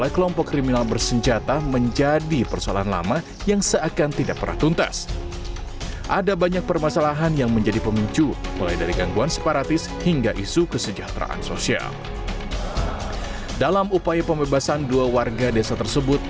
kelompok bersenjata yang terdiri dari lima puluh orang tersebut